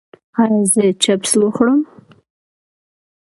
ایا زه چپس وخورم؟